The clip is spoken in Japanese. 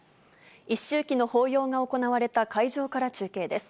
一周忌の法要が行われた会場から中継です。